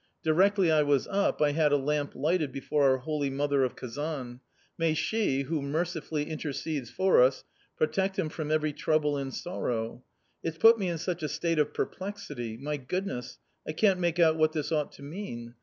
Directly I was up, I had a lamp lighted before our Holy Mother of Kazan ; may She, who mercifully intercedes for us, protect him from every trouble and sorrow. It's put me in such a state of perplexity ; my Goodness, I can't make out what this ought to mean.